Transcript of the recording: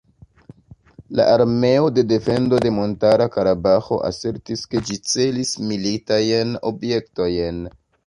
La armeo de defendo de Montara Karabaĥo asertis ke ĝi celis militajn objektojn.